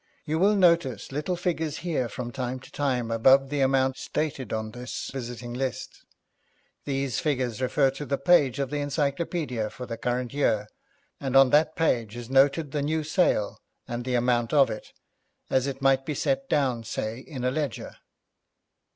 You will notice little figures here from time to time above the amount stated on this visiting list. These figures refer to the page of the encyclopaedia for the current year, and on that page is noted the new sale, and the amount of it, as it might be set down, say, in a ledger.'